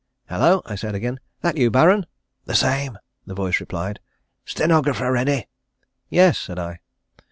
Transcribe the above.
"Hello," said I again. "That you, Baron?" "The same," the voice replied. "Stenographer ready?" "Yes," said I.